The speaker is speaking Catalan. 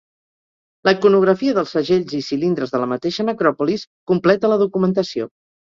La iconografia dels segells i cilindres de la mateixa necròpolis completa la documentació.